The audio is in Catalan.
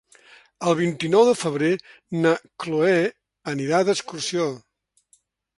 El vint-i-nou de febrer na Cloè anirà d'excursió.